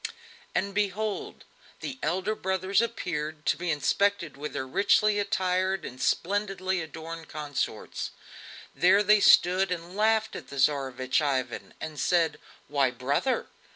'" And behold! the elder brothers appeared, to be inspected with their richly attired and splendidly adorned consorts. There they stood and laughed at the Tsarevich Ivan and said: "Why, brother!